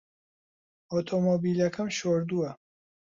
ئۆتۆمۆبیلەکەم شۆردووە.